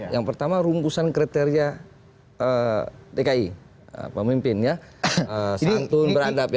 yang pertama rungkusan kriteria dki pemimpinnya santun berantap ya